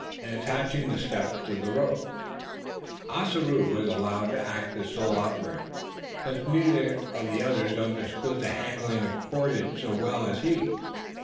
In attaching the steps to the rope, Ossaroo was allowed to act as sole operator: since neither of the others understood the handling of cordage so well as he.